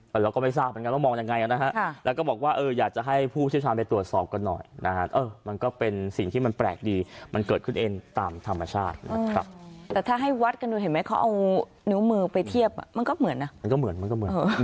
แต่เราก็ไม่ทราบว่ามองยังไงนะแล้วก็บอกว่าอยากจะให้ผู้เชี่ยวชาญไปตรวจสอบกันหน่อยมันก็เป็นสิ่งที่มันแปลกดีมันเกิดขึ้นเองตามธรรมชาติแต่ถ้าให้วัดกันดูเห็นไหมเขาเอานิ้วมือไปเทียบมันก็เหมือนนะ